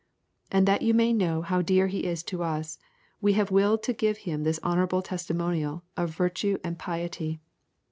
And that you may know how dear he is to us, we have willed to give him this honourable testimonial of virtue and piety.